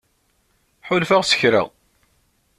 Ḥulfaɣ s kra.